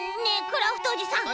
クラフトおじさん。